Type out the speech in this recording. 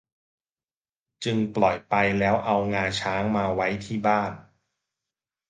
จึงปล่อยไปแล้วเอางาช้างมาไว้ที่บ้าน